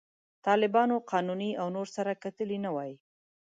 طالبانو، قانوني او نور سره کتلي نه وای.